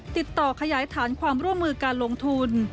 ติดต่อขยายฐานความร่วมมือการลงทุน